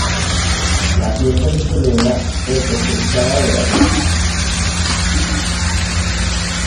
La fiesta se celebra el tercer sábado de agosto.